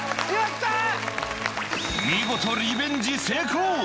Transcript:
見事、リベンジ成功。